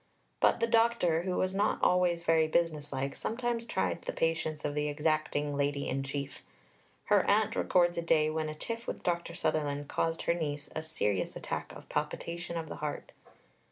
But the doctor, who was not always very business like, sometimes tried the patience of the exacting Lady in Chief. Her aunt records a day when a tiff with Dr. Sutherland caused her niece a serious attack of palpitation of the heart.